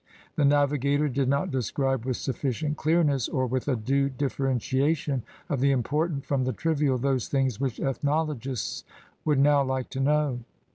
The navigator did not describe with sufficient clearness, or with a due differentiation of the important from the trivial, those things which ethnologists would now like to know.